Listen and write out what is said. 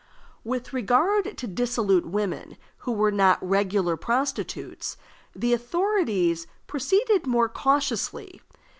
With regard to dissolute women who were not regular prostitutes, the authorities proceeded more cautiously.